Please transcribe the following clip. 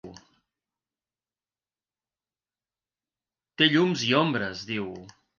Té llums i ombres, diu.